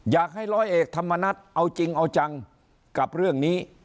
อยากให้ร้อยเอกธรรมนัฐเอาจริงเอาจังกับเรื่องนี้